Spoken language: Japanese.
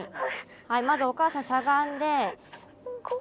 はいまずおかあさんしゃがんで。